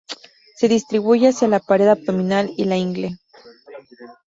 Se distribuye hacia la pared abdominal y la ingle.